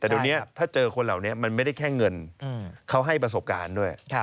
แต่เดี๋ยวนี้ถ้าเจอคนเหล่านี้มันไม่ได้แค่เงินเขาให้ประสบการณ์ด้วย